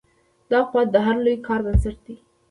دا قوت د هر لوی کار بنسټ دی.